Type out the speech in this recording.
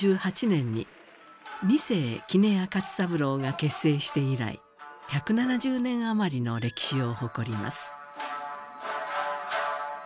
１８４８年に二世杵屋勝三郎が結成して以来１７０年余りの歴史を誇ります。